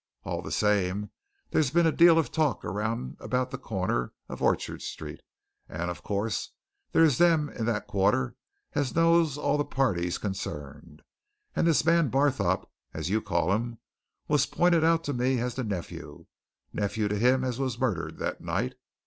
All the same, there's been a deal of talk around about the corner of Orchard Street, and, of course, there is them in that quarter as knows all the parties concerned, and this man Barthorpe, as you call him, was pointed out to me as the nephew nephew to him as was murdered that night.